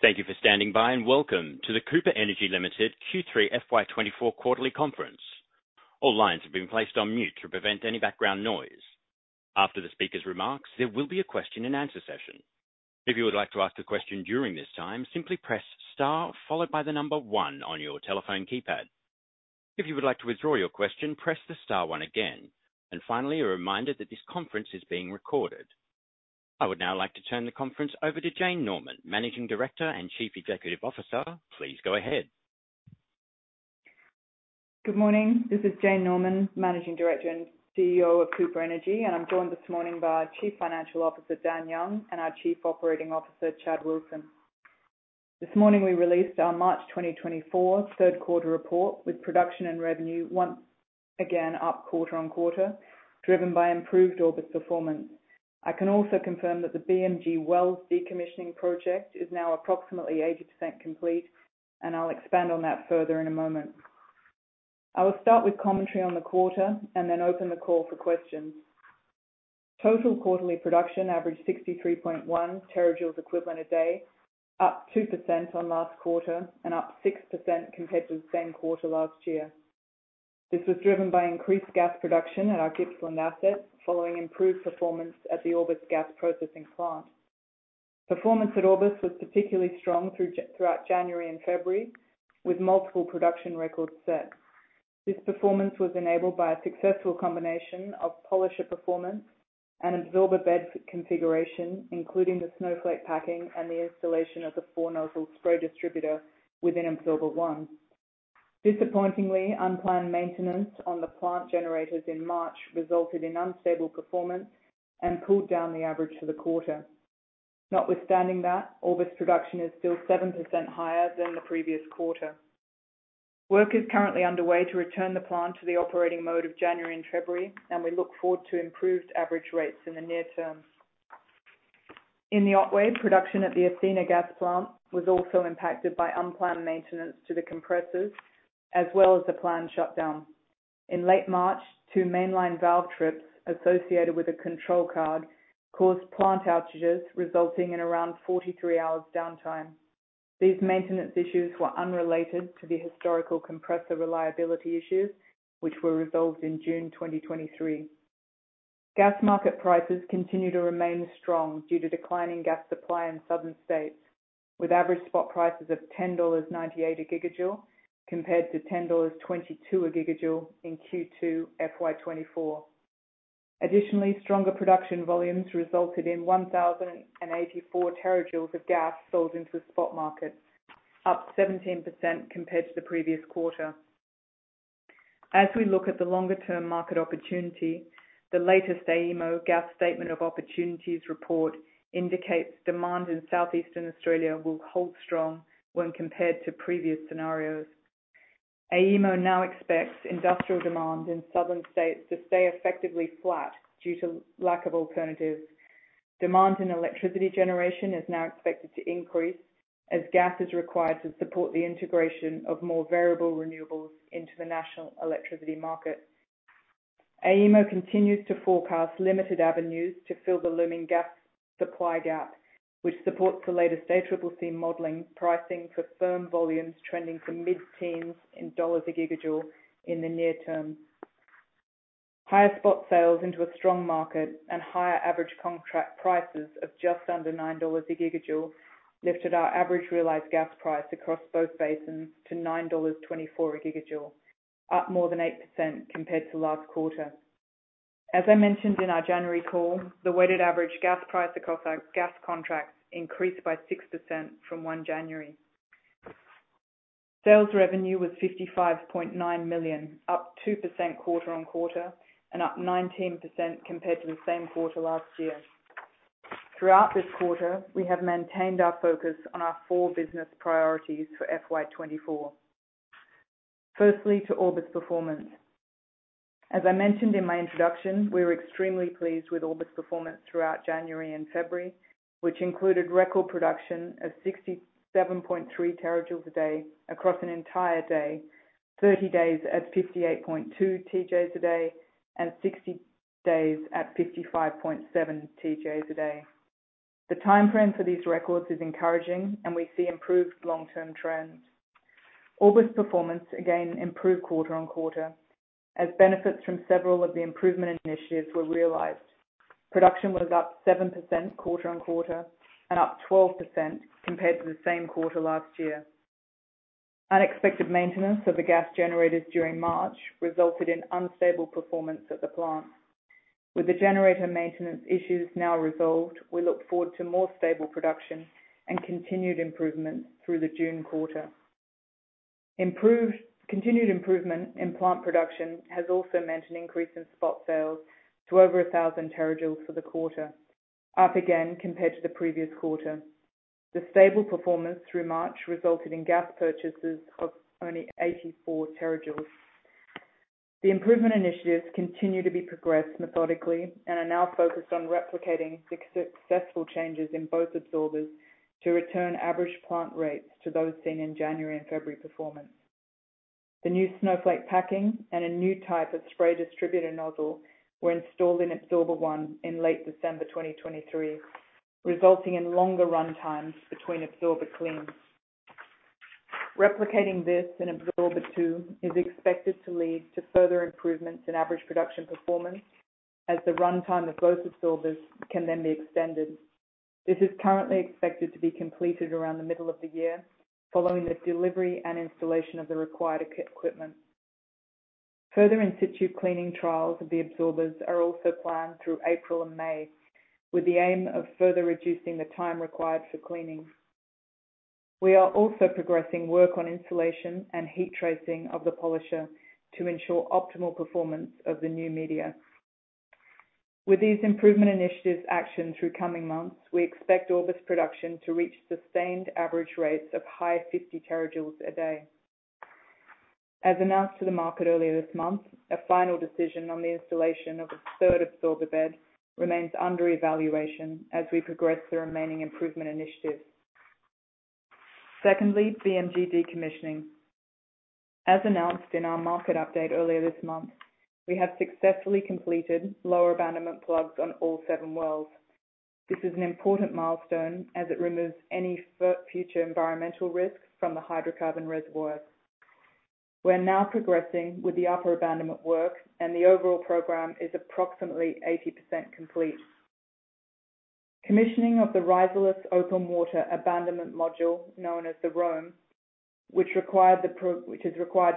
Thank you for standing by and welcome to the Cooper Energy Limited Q3 FY24 quarterly conference. All lines have been placed on mute to prevent any background noise. After the speaker's remarks, there will be a question-and-answer session. If you would like to ask a question during this time, simply press star followed by the number one on your telephone keypad. If you would like to withdraw your question, press the star one again. Finally, a reminder that this conference is being recorded. I would now like to turn the conference over to Jane Norman, Managing Director and Chief Executive Officer. Please go ahead. Good morning. This is Jane Norman, Managing Director and CEO of Cooper Energy, and I'm joined this morning by our Chief Financial Officer, Dan Young, and our Chief Operating Officer, Chad Wilson. This morning we released our March 2024 third quarter report with production and revenue once again up quarter-on-quarter, driven by improved Orbost performance. I can also confirm that the BMG wells decommissioning project is now approximately 80% complete, and I'll expand on that further in a moment. I will start with commentary on the quarter and then open the call for questions. Total quarterly production averaged 63.1 terajoules equivalent a day, up 2% on last quarter and up 6% compared to the same quarter last year. This was driven by increased gas production at our Gippsland asset following improved performance at the Orbost Gas Processing Plant. Performance at Orbost was particularly strong throughout January and February, with multiple production records set. This performance was enabled by a successful combination of polisher performance and absorber bed configuration, including the Snowflake packing and the installation of the four-nozzle spray distributor within absorber 1. Disappointingly, unplanned maintenance on the plant generators in March resulted in unstable performance and pulled down the average for the quarter. Notwithstanding that, Orbost production is still 7% higher than the previous quarter. Work is currently underway to return the plant to the operating mode of January and February, and we look forward to improved average rates in the near term. In the Otway, production at the Athena Gas Plant was also impacted by unplanned maintenance to the compressors as well as a planned shutdown. In late March, two mainline valve trips associated with a control card caused plant outages resulting in around 43 hours downtime. These maintenance issues were unrelated to the historical compressor reliability issues, which were resolved in June 2023. Gas market prices continue to remain strong due to declining gas supply in southern states, with average spot prices of 10.98 dollars a gigajoule compared to 10.22 dollars a gigajoule in Q2 FY24. Additionally, stronger production volumes resulted in 1,084 terajoules of gas sold into the spot market, up 17% compared to the previous quarter. As we look at the longer-term market opportunity, the latest AEMO Gas Statement of Opportunities report indicates demand in southeastern Australia will hold strong when compared to previous scenarios. AEMO now expects industrial demand in southern states to stay effectively flat due to lack of alternatives. Demand in electricity generation is now expected to increase as gas is required to support the integration of more variable renewables into the national electricity market. AEMO continues to forecast limited avenues to fill the looming gas supply gap, which supports the latest ACCC modeling pricing for firm volumes trending to mid-teens in dollar a gigajoule in the near term. Higher spot sales into a strong market and higher average contract prices of just under 9 dollars a gigajoule lifted our average realized gas price across both basins to 9.24 dollars a gigajoule, up more than 8% compared to last quarter. As I mentioned in our January call, the weighted average gas price across our gas contracts increased by 6% from 1 January. Sales revenue was 55.9 million, up 2% quarter-over-quarter and up 19% compared to the same quarter last year. Throughout this quarter, we have maintained our focus on our four business priorities for FY24. Firstly, to Orbost's performance. As I mentioned in my introduction, we were extremely pleased with Orbost's performance throughout January and February, which included record production of 67.3 terajoules a day across an entire day, 30 days at 58.2 terajoules a day, and 60 days at 55.7 terajoules a day. The timeframe for these records is encouraging, and we see improved long-term trends. Orbost's performance again improved quarter-on-quarter as benefits from several of the improvement initiatives were realized. Production was up 7% quarter-on-quarter and up 12% compared to the same quarter last year. Unexpected maintenance of the gas generators during March resulted in unstable performance at the plant. With the generator maintenance issues now resolved, we look forward to more stable production and continued improvements through the June quarter. Continued improvement in plant production has also meant an increase in spot sales to over 1,000 terajoules for the quarter, up again compared to the previous quarter. The stable performance through March resulted in gas purchases of only 84 terajoules. The improvement initiatives continue to be progressed methodically and are now focused on replicating the successful changes in both absorbers to return average plant rates to those seen in January and February performance. The new Snowflake packing and a new type of spray distributor nozzle were installed in absorber 1 in late December 2023, resulting in longer runtimes between absorber cleans. Replicating this in absorber 2 is expected to lead to further improvements in average production performance as the runtime of both absorbers can then be extended. This is currently expected to be completed around the middle of the year following the delivery and installation of the required equipment. Further in-situ cleaning trials of the absorbers are also planned through April and May with the aim of further reducing the time required for cleaning. We are also progressing work on insulation and heat tracing of the polisher to ensure optimal performance of the new media. With these improvement initiatives actioned through coming months, we expect Orbost production to reach sustained average rates of high 50 terajoules a day. As announced to the market earlier this month, a final decision on the installation of a third absorber bed remains under evaluation as we progress the remaining improvement initiatives. Secondly, BMG decommissioning. As announced in our market update earlier this month, we have successfully completed lower abandonment plugs on all 7 wells. This is an important milestone as it removes any future environmental risk from the hydrocarbon reservoir. We're now progressing with the upper abandonment work, and the overall program is approximately 80% complete. Commissioning of the Riserless open-water abandonment module, known as the ROAM, which is required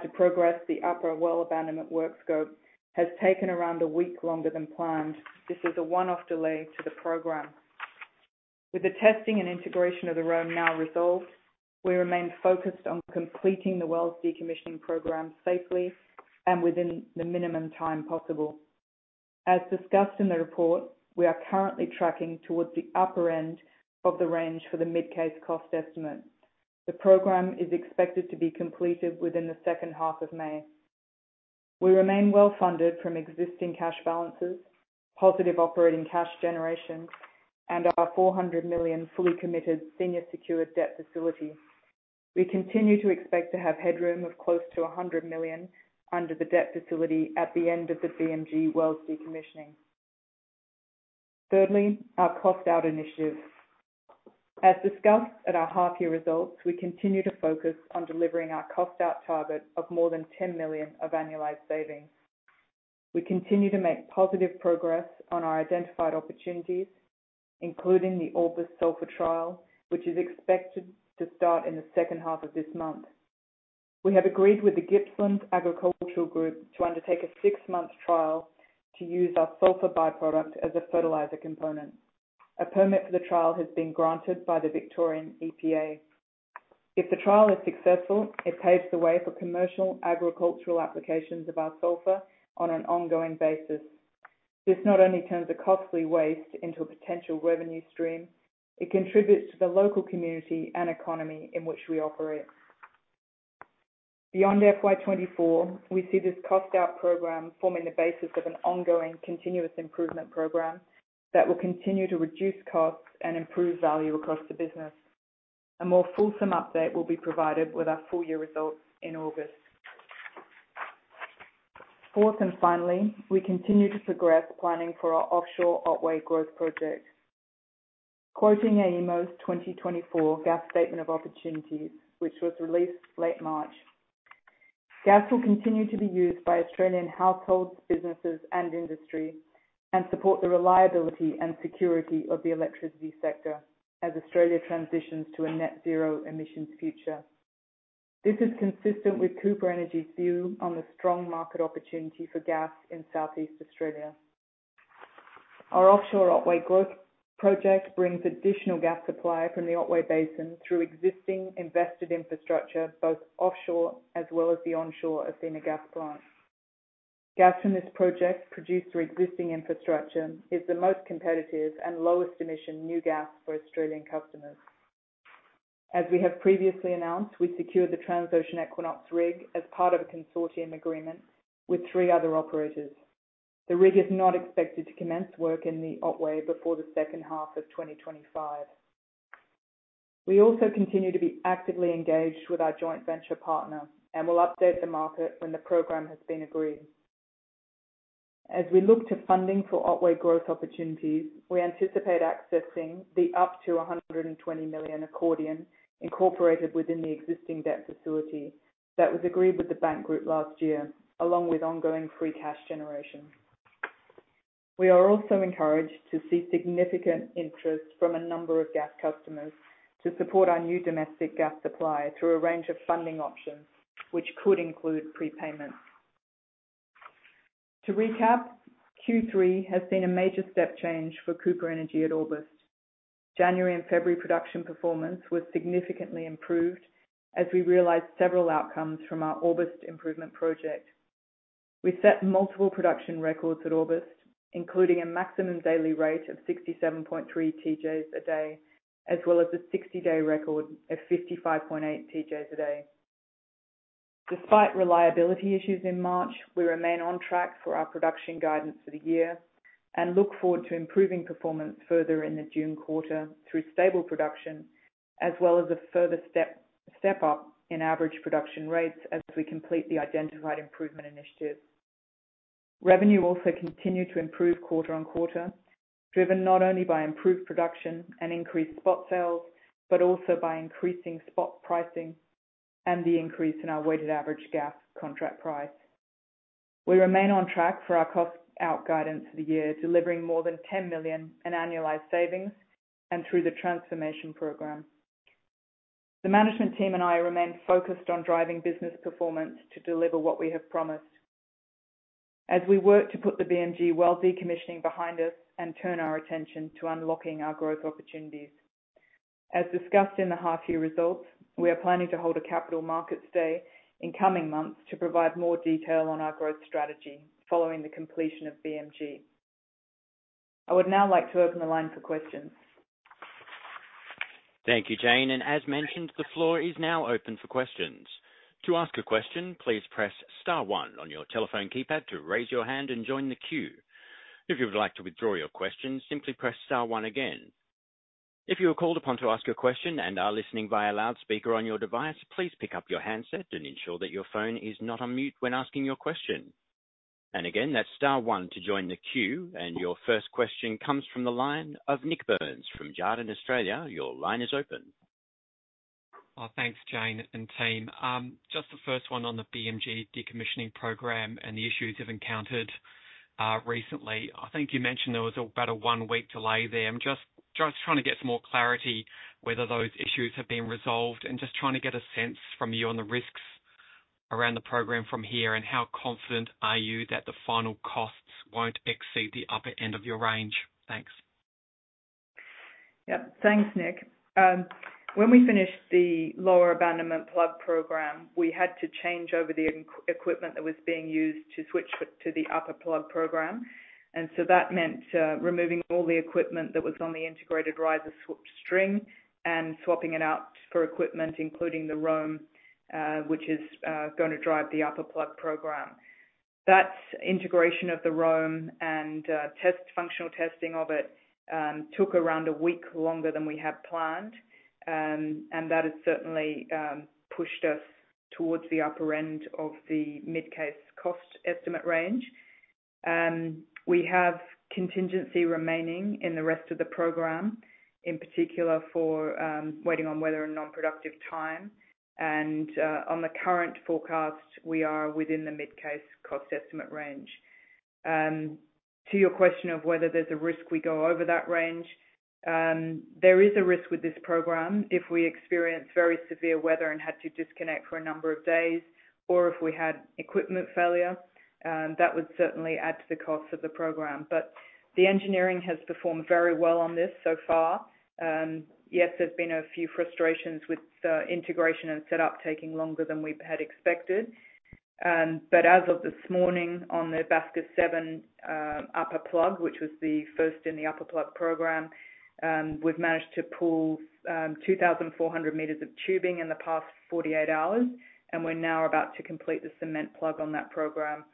to progress the upper well abandonment work scope, has taken around a week longer than planned. This is a one-off delay to the program. With the testing and integration of the ROAM now resolved, we remain focused on completing the wells decommissioning program safely and within the minimum time possible. As discussed in the report, we are currently tracking towards the upper end of the range for the mid-case cost estimate. The program is expected to be completed within the second half of May. We remain well-funded from existing cash balances, positive operating cash generation, and our 400 million fully committed senior secured debt facility. We continue to expect to have headroom of close to 100 million under the debt facility at the end of the BMG wells decommissioning. Thirdly, our cost-out initiatives. As discussed at our half-year results, we continue to focus on delivering our cost-out target of more than 10 million of annualized savings. We continue to make positive progress on our identified opportunities, including the Orbost sulfur trial, which is expected to start in the second half of this month. We have agreed with the Gippsland Agricultural Group to undertake a six-month trial to use our sulfur byproduct as a fertilizer component. A permit for the trial has been granted by the Victorian EPA. If the trial is successful, it paves the way for commercial agricultural applications of our sulfur on an ongoing basis. This not only turns a costly waste into a potential revenue stream, it contributes to the local community and economy in which we operate. Beyond FY24, we see this cost-out program forming the basis of an ongoing continuous improvement program that will continue to reduce costs and improve value across the business. A more fulsome update will be provided with our full-year results in August. Fourth and finally, we continue to progress planning for our offshore Otway growth project. Quoting AEMO's 2024 gas statement of opportunities, which was released late March, gas will continue to be used by Australian households, businesses, and industry and support the reliability and security of the electricity sector as Australia transitions to a net-zero emissions future. This is consistent with Cooper Energy's view on the strong market opportunity for gas in Southeast Australia. Our offshore Otway growth project brings additional gas supply from the Otway Basin through existing invested infrastructure, both offshore as well as the onshore Athena Gas Plant. Gas from this project produced through existing infrastructure is the most competitive and lowest emission new gas for Australian customers. As we have previously announced, we secured the Transocean Equinox rig as part of a consortium agreement with three other operators. The rig is not expected to commence work in the Otway before the second half of 2025. We also continue to be actively engaged with our joint venture partner and will update the market when the program has been agreed. As we look to funding for Otway growth opportunities, we anticipate accessing the up to 120 million accordion incorporated within the existing debt facility that was agreed with the bank group last year, along with ongoing free cash generation. We are also encouraged to see significant interest from a number of gas customers to support our new domestic gas supply through a range of funding options, which could include prepayments. To recap, Q3 has seen a major step change for Cooper Energy at Orbost. January and February production performance was significantly improved as we realized several outcomes from our Orbost improvement project. We set multiple production records at Orbost, including a maximum daily rate of 67.3 terajoules a day as well as a 60-day record of 55.8 terajoules a day. Despite reliability issues in March, we remain on track for our production guidance for the year and look forward to improving performance further in the June quarter through stable production as well as a further step up in average production rates as we complete the identified improvement initiative. Revenue also continued to improve quarter-on-quarter, driven not only by improved production and increased spot sales but also by increasing spot pricing and the increase in our weighted average gas contract price. We remain on track for our cost-out guidance for the year, delivering more than 10 million in annualized savings and through the transformation program. The management team and I remain focused on driving business performance to deliver what we have promised as we work to put the BMG wells decommissioning behind us and turn our attention to unlocking our growth opportunities. As discussed in the half-year results, we are planning to hold a capital markets day in coming months to provide more detail on our growth strategy following the completion of BMG. I would now like to open the line for questions. Thank you, Jane. As mentioned, the floor is now open for questions. To ask a question, please press star one on your telephone keypad to raise your hand and join the queue. If you would like to withdraw your question, simply press star one again. If you are called upon to ask a question and are listening via loudspeaker on your device, please pick up your handset and ensure that your phone is not on mute when asking your question. Again, that's star one to join the queue, and your first question comes from the line of Nik Burns from Jarden Australia. Your line is open. Thanks, Jane and team. Just the first one on the BMG decommissioning program and the issues you've encountered recently. I think you mentioned there was about a 1-week delay there. I'm just trying to get some more clarity whether those issues have been resolved and just trying to get a sense from you on the risks around the program from here and how confident are you that the final costs won't exceed the upper end of your range? Thanks. Yep. Thanks, Nick. When we finished the lower abandonment plug program, we had to change over the equipment that was being used to switch to the upper plug program. And so that meant removing all the equipment that was on the integrated riser string and swapping it out for equipment, including the ROAM, which is going to drive the upper plug program. That integration of the ROAM and functional testing of it took around a week longer than we had planned, and that has certainly pushed us towards the upper end of the mid-case cost estimate range. We have contingency remaining in the rest of the program, in particular waiting on weather and non-productive time. And on the current forecast, we are within the mid-case cost estimate range. To your question of whether there's a risk we go over that range, there is a risk with this program. If we experience very severe weather and had to disconnect for a number of days or if we had equipment failure, that would certainly add to the cost of the program. But the engineering has performed very well on this so far. Yes, there's been a few frustrations with the integration and setup taking longer than we had expected. But as of this morning on the Basker-7 upper plug, which was the first in the upper plug program, we've managed to pull 2,400 meters of tubing in the past 48 hours, and we're now about to complete the cement plug on that program,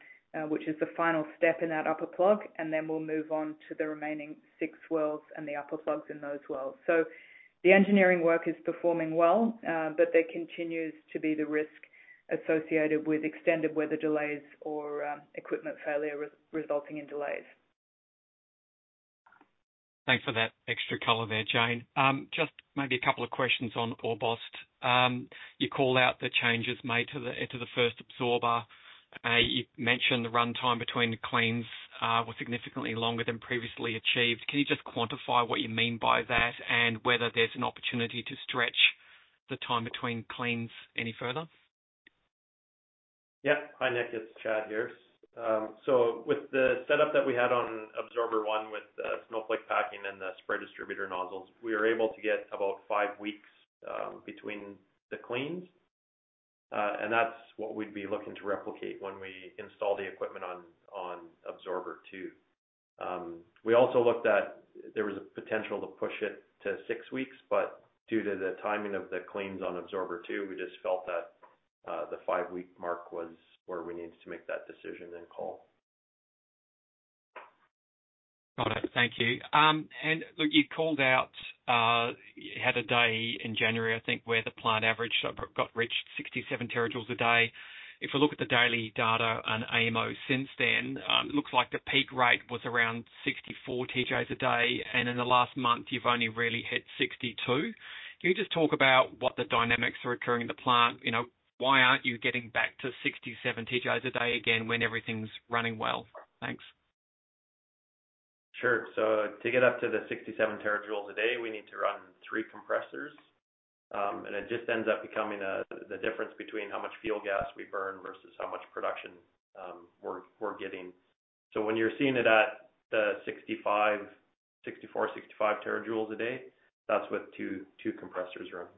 which is the final step in that upper plug. And then we'll move on to the remaining six wells and the upper plugs in those wells. So the engineering work is performing well, but there continues to be the risk associated with extended weather delays or equipment failure resulting in delays. Thanks for that extra color there, Jane. Just maybe a couple of questions on Orbost. You call out the changes made to the first absorber. You mentioned the runtime between cleans was significantly longer than previously achieved. Can you just quantify what you mean by that and whether there's an opportunity to stretch the time between cleans any further? Yep. Hi, Nick. It's Chad here. So with the setup that we had on absorber one with Snowflake packing and the spray distributor nozzles, we were able to get about five weeks between the cleans, and that's what we'd be looking to replicate when we install the equipment on absorber two. We also looked at there was a potential to push it to six weeks, but due to the timing of the cleans on absorber two, we just felt that the five-week mark was where we needed to make that decision and call. Got it. Thank you. And look, you called out you had a day in January, I think, where the plant average got reached 67 terajoules a day. If we look at the daily data and AEMO since then, it looks like the peak rate was around 64 terajoules a day, and in the last month, you've only really hit 62terajoules a day. Can you just talk about what the dynamics are occurring in the plant? Why aren't you getting back to 67 terajoules a day again when everything's running well? Thanks. Sure. So to get up to the 67 terajoules a day, we need to run three compressors, and it just ends up becoming the difference between how much fuel gas we burn versus how much production we're getting. So when you're seeing it at the 64 terajoules a day, 65 terajoules a day, that's with two compressors running.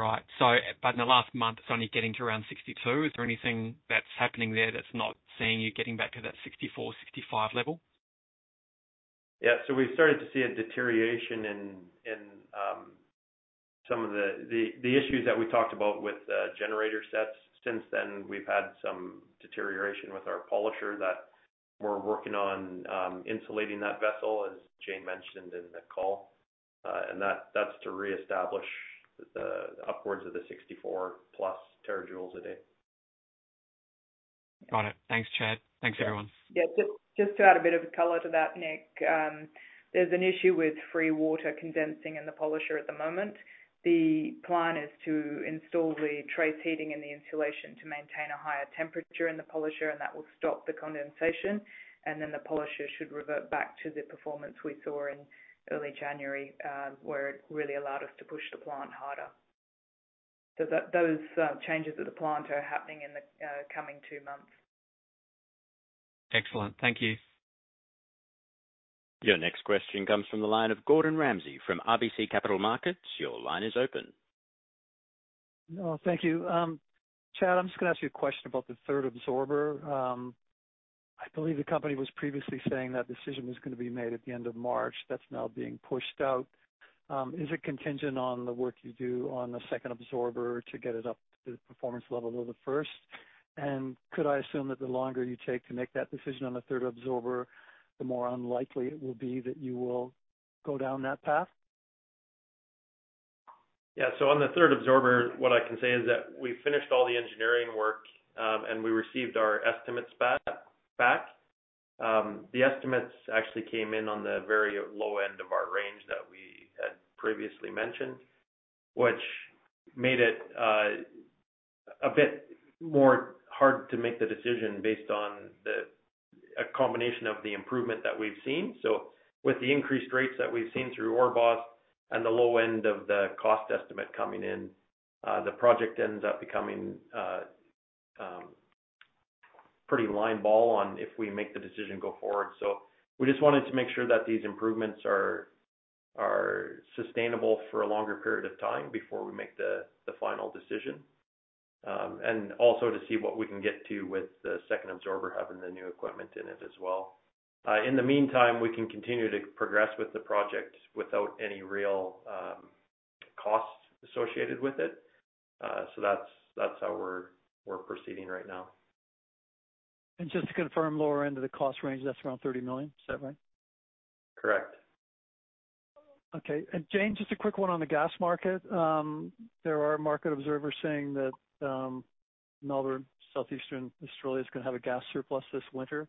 Right. In the last month, it's only getting to around 62terajoules a day. Is there anything that's happening there that's not seeing you getting back to that 64terajoules a day-65terajoules a day level? Yeah. So we've started to see a deterioration in some of the issues that we talked about with generator sets. Since then, we've had some deterioration with our polisher that we're working on insulating that vessel, as Jane mentioned in the call. And that's to reestablish upwards of the 64+ terajoules a day. Got it. Thanks, Chad. Thanks, everyone. Yeah. Just to add a bit of color to that, Nick, there's an issue with free water condensing in the polisher at the moment. The plan is to install the trace heating in the insulation to maintain a higher temperature in the polisher, and that will stop the condensation. And then the polisher should revert back to the performance we saw in early January where it really allowed us to push the plant harder. Those changes at the plant are happening in the coming two months. Excellent. Thank you. Your next question comes from the line of Gordon Ramsay from RBC Capital Markets. Your line is open. Thank you. Chad, I'm just going to ask you a question about the third absorber. I believe the company was previously saying that decision was going to be made at the end of March. That's now being pushed out. Is it contingent on the work you do on the second absorber to get it up to the performance level of the first? And could I assume that the longer you take to make that decision on the third absorber, the more unlikely it will be that you will go down that path? Yeah. So on the third absorber, what I can say is that we finished all the engineering work, and we received our estimates back. The estimates actually came in on the very low end of our range that we had previously mentioned, which made it a bit more hard to make the decision based on a combination of the improvement that we've seen. So with the increased rates that we've seen through Orbost and the low end of the cost estimate coming in, the project ends up becoming pretty line-ball on if we make the decision go forward. So we just wanted to make sure that these improvements are sustainable for a longer period of time before we make the final decision, and also to see what we can get to with the second absorber having the new equipment in it as well. In the meantime, we can continue to progress with the project without any real cost associated with it. So that's how we're proceeding right now. Just to confirm, lower end of the cost range, that's around 30 million. Is that right? Correct. Okay. And Jane, just a quick one on the gas market. There are market observers saying that Melbourne, southeastern Australia is going to have a gas surplus this winter.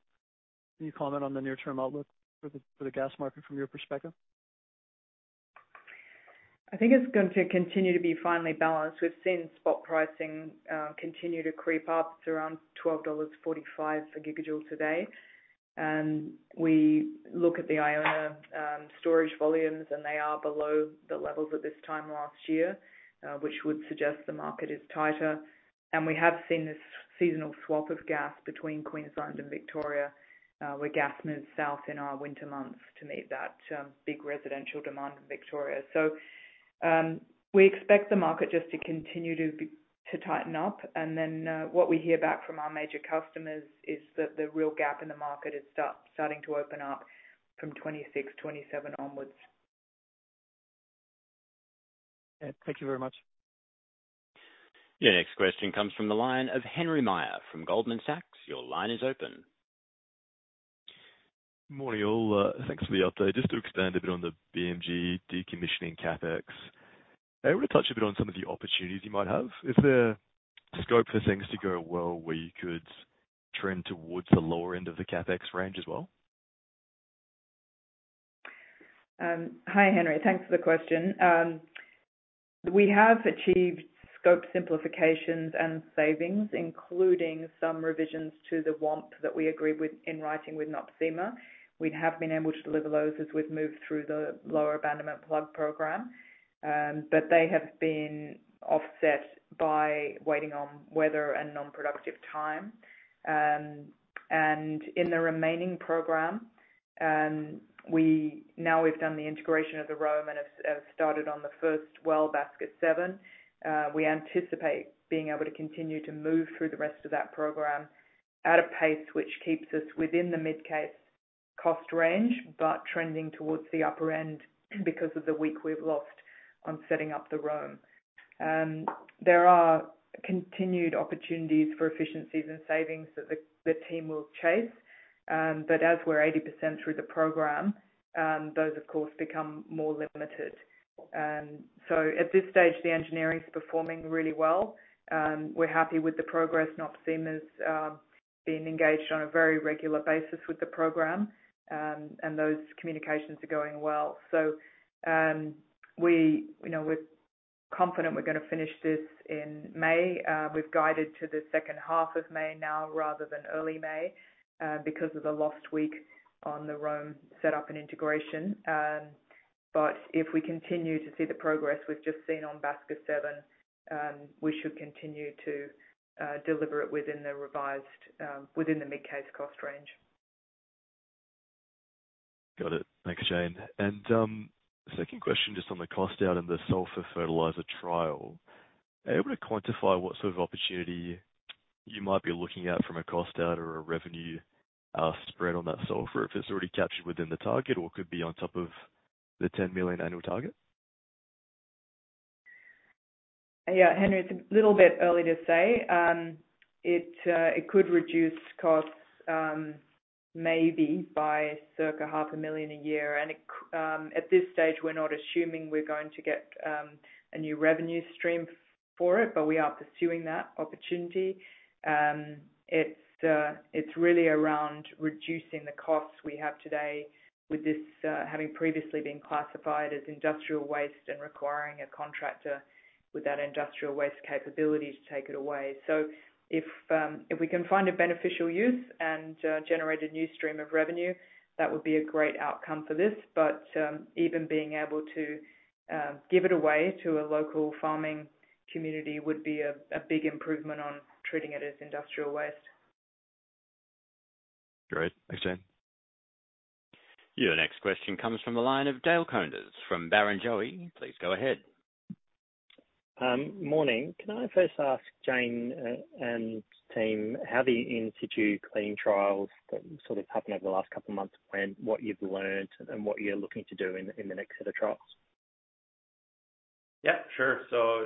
Can you comment on the near-term outlook for the gas market from your perspective? I think it's going to continue to be finely balanced. We've seen spot pricing continue to creep up. It's around 12.45 dollars a gigajoule today. We look at the Iona storage volumes, and they are below the levels at this time last year, which would suggest the market is tighter. We have seen this seasonal swap of gas between Queensland and Victoria where gas moves south in our winter months to meet that big residential demand in Victoria. So we expect the market just to continue to tighten up. Then what we hear back from our major customers is that the real gap in the market is starting to open up from 2026, 2027 onwards. Thank you very much. Your next question comes from the line of Henry Meyer from Goldman Sachs. Your line is open. Morning, all. Thanks for the update. Just to expand a bit on the BMG decommissioning CapEx, I want to touch a bit on some of the opportunities you might have. Is there scope for things to go well where you could trend towards the lower end of the CapEx range as well? Hi, Henry. Thanks for the question. We have achieved scope simplifications and savings, including some revisions to the WOMP that we agreed with in writing with NOPSEMA. We have been able to deliver those as we've moved through the lower abandonment plug program, but they have been offset by waiting on weather and non-productive time. In the remaining program, now we've done the integration of the ROAM and have started on the first well Basker-7. We anticipate being able to continue to move through the rest of that program at a pace which keeps us within the mid-case cost range but trending towards the upper end because of the week we've lost on setting up the ROAM. There are continued opportunities for efficiencies and savings that the team will chase. As we're 80% through the program, those, of course, become more limited. So at this stage, the engineering's performing really well. We're happy with the progress. NOPSEMA's been engaged on a very regular basis with the program, and those communications are going well. So we're confident we're going to finish this in May. We've guided to the second half of May now rather than early May because of the lost week on the ROAM setup and integration. But if we continue to see the progress we've just seen on Basker-7, we should continue to deliver it within the revised mid-case cost range. Got it. Thanks, Jane. Second question just on the cost out and the sulfur fertilizer trial. Are you able to quantify what sort of opportunity you might be looking at from a cost out or a revenue spread on that sulfur if it's already captured within the target or could be on top of the 10 million annual target? Yeah, Henry, it's a little bit early to say. It could reduce costs maybe by circa 0.5 million a year. At this stage, we're not assuming we're going to get a new revenue stream for it, but we are pursuing that opportunity. It's really around reducing the costs we have today with this having previously been classified as industrial waste and requiring a contractor with that industrial waste capability to take it away. So if we can find a beneficial use and generate a new stream of revenue, that would be a great outcome for this. But even being able to give it away to a local farming community would be a big improvement on treating it as industrial waste. Great. Thanks, Jane. Your next question comes from the line of Dale Koenders from Barrenjoey. Please go ahead. Morning. Can I first ask Jane and team how the in situ clean trials that sort of happened over the last couple of months what you've learned and what you're looking to do in the next set of trials? Yep. Sure. So,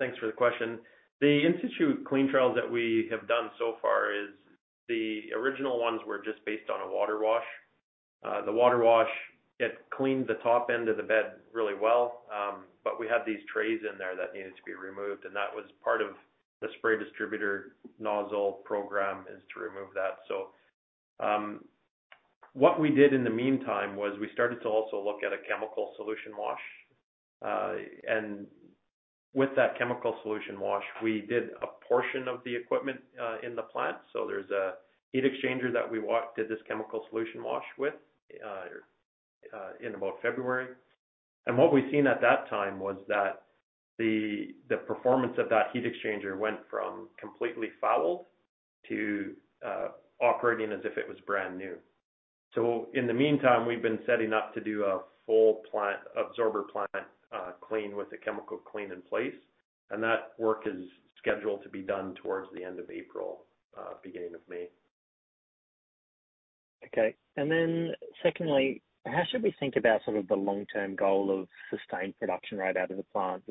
thanks for the question. The in situ cleaning trials that we have done so far is the original ones were just based on a water wash. The water wash, it cleaned the top end of the bed really well, but we had these trays in there that needed to be removed, and that was part of the spray distributor nozzle program is to remove that. So, what we did in the meantime was we started to also look at a chemical solution wash. And with that chemical solution wash, we did a portion of the equipment in the plant. So, there's a heat exchanger that we did this chemical solution wash with in about February. And what we've seen at that time was that the performance of that heat exchanger went from completely fouled to operating as if it was brand new. So in the meantime, we've been setting up to do a full absorber plant clean with a chemical clean in place, and that work is scheduled to be done towards the end of April, beginning of May. Okay. And then secondly, how should we think about sort of the long-term goal of sustained production rate out of the plant?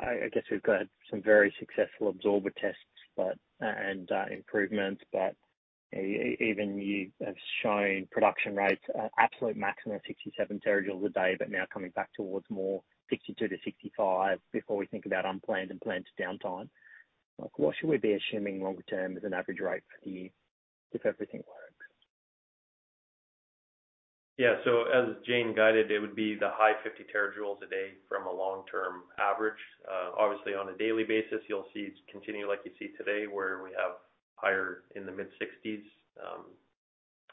I guess we've got some very successful absorber tests and improvements, but even you have shown production rates at absolute maximum of 67 terajoules a day, but now coming back towards more 62terajoules a day-65terajoules a day before we think about unplanned and planned downtime. What should we be assuming longer term as an average rate for the year if everything works? Yeah. So as Jane guided, it would be the high 50 terajoules a day from a long-term average. Obviously, on a daily basis, you'll see it continue like you see today where we have higher in the mid-60 terajoules a day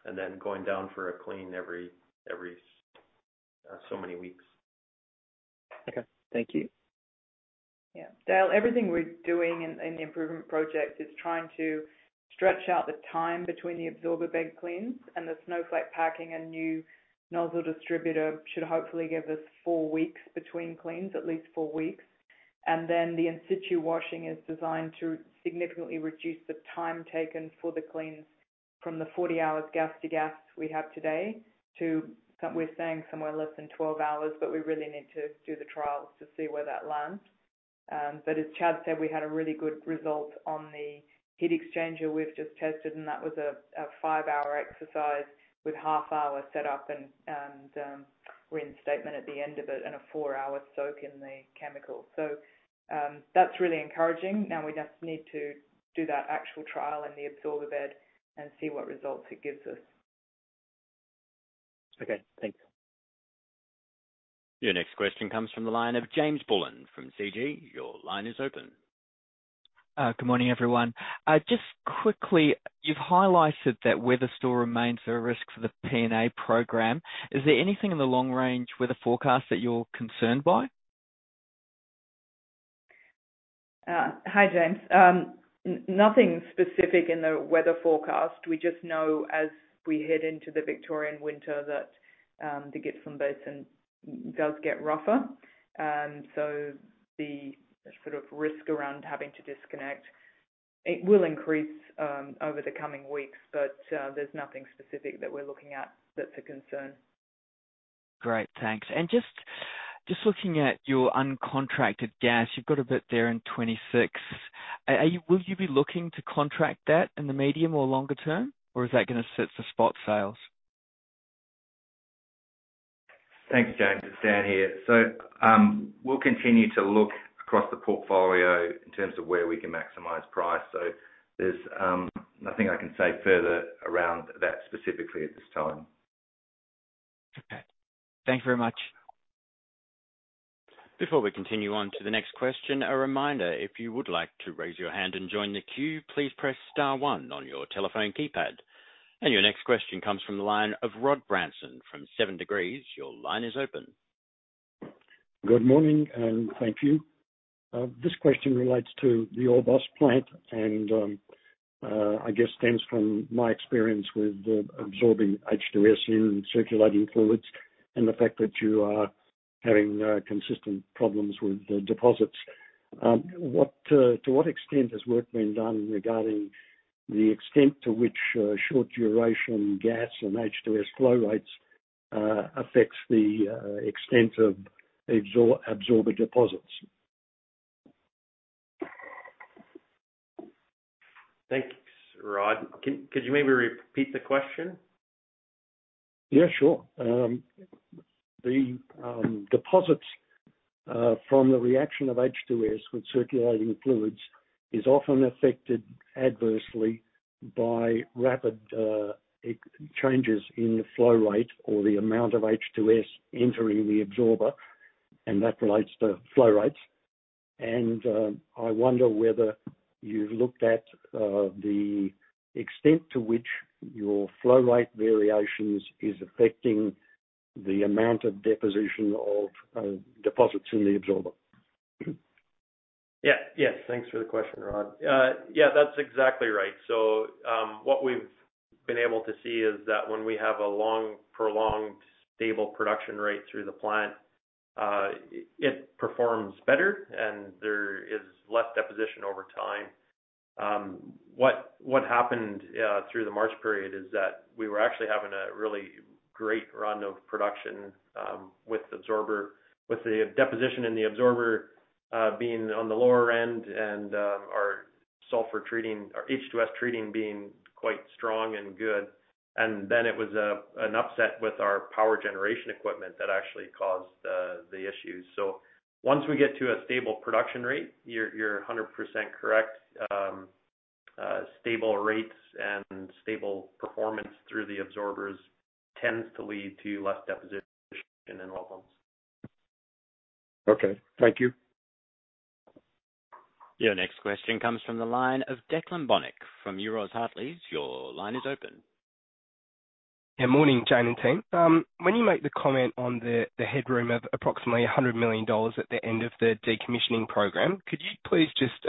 and then going down for a clean every so many weeks. Okay. Thank you. Yeah. Dale, everything we're doing in the improvement project is trying to stretch out the time between the absorber bed cleans and the Snowflake packing. A new nozzle distributor should hopefully give us 4 weeks between cleans, at least 4 weeks. And then the in situ washing is designed to significantly reduce the time taken for the cleans from the 40-hour gas-to-gas we have today to, we're saying, somewhere less than 12 hours, but we really need to do the trials to see where that lands. But as Chad said, we had a really good result on the heat exchanger we've just tested, and that was a 5-hour exercise with half-hour setup and rinse stage at the end of it and a 4-hour soak in the chemical. So that's really encouraging. Now we just need to do that actual trial in the absorber bed and see what results it gives us. Okay. Thanks. Your next question comes from the line of James Bullen from CG. Your line is open. Good morning, everyone. Just quickly, you've highlighted that weather still remains a risk for the P&A program. Is there anything in the long-range weather forecast that you're concerned by? Hi, James. Nothing specific in the weather forecast. We just know as we head into the Victorian winter that the Gippsland Basin does get rougher. So the sort of risk around having to disconnect, it will increase over the coming weeks, but there's nothing specific that we're looking at that's a concern. Great. Thanks. Just looking at your uncontracted gas, you've got a bit there in 2026. Will you be looking to contract that in the medium or longer term, or is that going to set for spot sales? Thanks, James. It's Dan here. We'll continue to look across the portfolio in terms of where we can maximize price. There's nothing I can say further around that specifically at this time. Okay. Thank you very much. Before we continue on to the next question, a reminder, if you would like to raise your hand and join the queue, please press star one on your telephone keypad. And your next question comes from the line of Rod Branson from 7Degrees. Your line is open. Good morning and thank you. This question relates to the Orbost plant, and I guess stems from my experience with absorbing H2S in circulating fluids and the fact that you are having consistent problems with deposits. To what extent has work been done regarding the extent to which short-duration gas and H2S flow rates affects the extent of absorber deposits? Thanks, Rod. Could you maybe repeat the question? Yeah, sure. The deposits from the reaction of H2S with circulating fluids is often affected adversely by rapid changes in the flow rate or the amount of H2S entering the absorber, and that relates to flow rates. I wonder whether you've looked at the extent to which your flow rate variations is affecting the amount of deposition of deposits in the absorber. Yeah. Yes. Thanks for the question, Rod. Yeah, that's exactly right. So what we've been able to see is that when we have a long, prolonged, stable production rate through the plant, it performs better, and there is less deposition over time. What happened through the March period is that we were actually having a really great run of production with the deposition in the absorber being on the lower end and our H2S treating being quite strong and good. And then it was an upset with our power generation equipment that actually caused the issues. So once we get to a stable production rate, you're 100% correct. Stable rates and stable performance through the absorbers tends to lead to less deposition in well pumps. Okay. Thank you. Your next question comes from the line of Declan Bonnick from Euroz Hartleys. Your line is open. Yeah. Morning, Jane and Tim. When you make the comment on the headroom of approximately 100 million dollars at the end of the decommissioning program, could you please just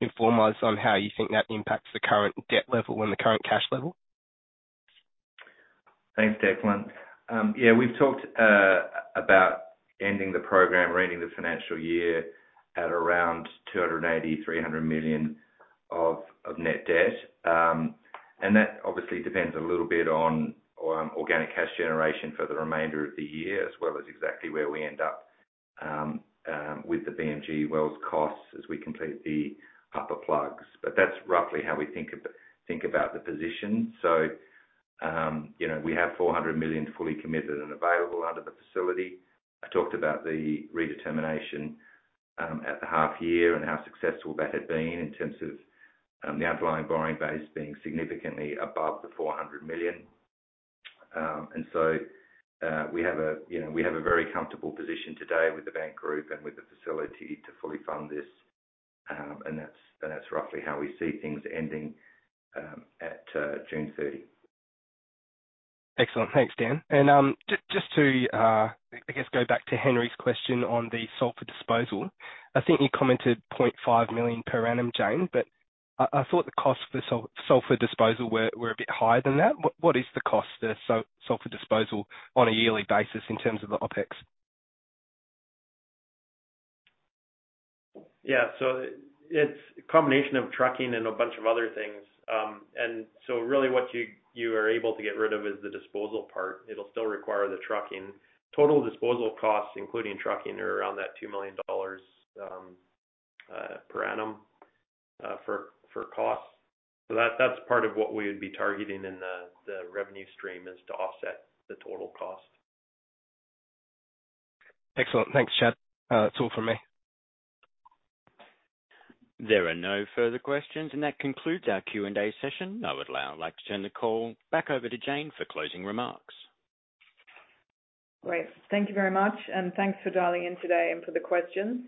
inform us on how you think that impacts the current debt level and the current cash level? Thanks, Declan. Yeah, we've talked about ending the program or ending the financial year at around 280 million-300 million of net debt. And that obviously depends a little bit on organic cash generation for the remainder of the year as well as exactly where we end up with the BMG wells costs as we complete the upper plugs. But that's roughly how we think about the position. So we have 400 million fully committed and available under the facility. I talked about the redetermination at the half-year and how successful that had been in terms of the underlying borrowing base being significantly above the 400 million. And so we have a we have a very comfortable position today with the bank group and with the facility to fully fund this. And that's roughly how we see things ending at June 30. Excellent. Thanks, Dan. And just to, I guess, go back to Henry's question on the sulfur disposal, I think you commented 0.5 million per annum, Jane, but I thought the costs for sulfur disposal were a bit higher than that. What is the cost for sulfur disposal on a yearly basis in terms of the OpEx? Yeah. So it's a combination of trucking and a bunch of other things. And so really what you are able to get rid of is the disposal part. It'll still require the trucking. Total disposal costs, including trucking, are around that 2 million dollars per annum for costs. So that's part of what we would be targeting in the revenue stream is to offset the total cost. Excellent. Thanks, Chad. That's all from me. There are no further questions, and that concludes our Q&A session. I would like to turn the call back over to Jane for closing remarks. Great. Thank you very much, and thanks for dialing in today and for the questions.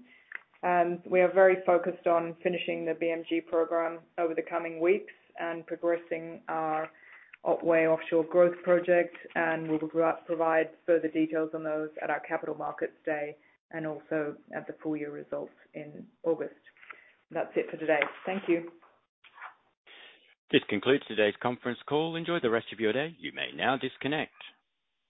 We are very focused on finishing the BMG program over the coming weeks and progressing our Otway offshore growth project, and we'll provide further details on those at our capital markets day and also at the full-year results in August. That's it for today. Thank you. This concludes today's conference call. Enjoy the rest of your day. You may now disconnect.